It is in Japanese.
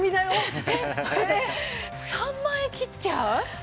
３万円切っちゃう？